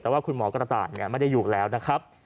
แต่ว่าคุณหมอกระต่ายไม่ได้อยู่แล้วนะครับ